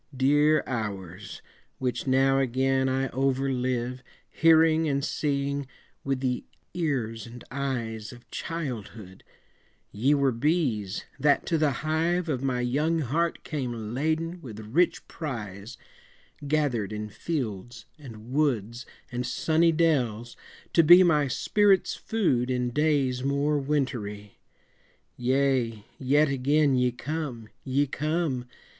Dear hours! which now again I over live, Hearing and seeing with the ears and eyes Of childhood, ye were bees, that to the hive Of my young heart came laden with rich prize, Gathered in fields and woods and sunny dells, to be My spirit's food in days more wintery. Yea, yet again ye come! ye come!